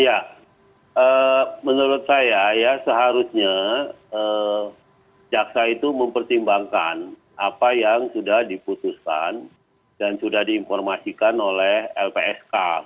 ya menurut saya ya seharusnya jaksa itu mempertimbangkan apa yang sudah diputuskan dan sudah diinformasikan oleh lpsk